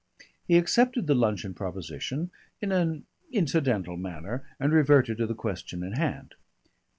He accepted the luncheon proposition in an incidental manner and reverted to the question in hand.